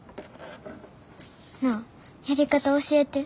なあやり方教えて。